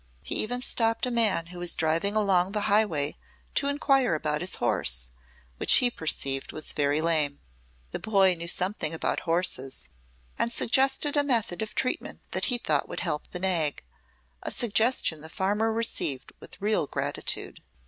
He even stopped a man who was driving along the highway to inquire about his horse, which he perceived was very lame. The boy knew something about horses and suggested a method of treatment that he thought would help the nag; a suggestion the farmer received with real gratitude.